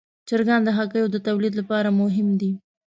چرګان د هګیو د تولید لپاره مهم دي.